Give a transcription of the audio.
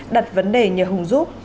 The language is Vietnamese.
đặt vấn đề nhờ hùng giúp